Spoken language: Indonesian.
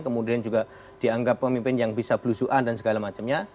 kemudian juga dianggap pemimpin yang bisa belusuan dan segala macamnya